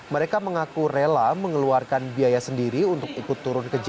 mereka mengaku rela mengeluarkan biaya sendiri untuk ikut turun ke jalan